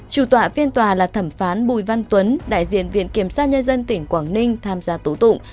chủ tọa phiên tòa là thẩm phán bùi văn tuấn đại diện viện kiểm sát nhân dân tỉnh quảng ninh tham gia tố tụng